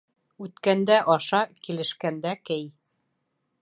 Үткәндә аша, килешкәндә кей.